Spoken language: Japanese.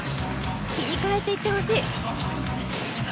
切り替えていってほしい。